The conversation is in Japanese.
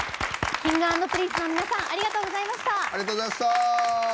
Ｋｉｎｇ＆Ｐｒｉｎｃｅの皆さん、ありがとうございました。